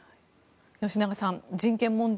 吉永さん、人権問題